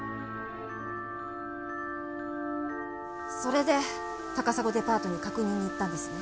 それで高砂デパートに確認に行ったんですね。